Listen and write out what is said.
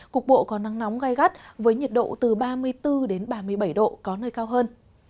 cục bộ có nắng nóng gai gắt với nhiệt độ từ ba mươi bốn ba mươi bảy độ có nơi cao hơn